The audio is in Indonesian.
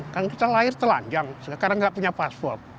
kan kita lahir telanjang karena tidak punya paspor